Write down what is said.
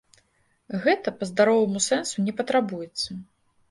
Гэта па здароваму сэнсу не патрабуецца.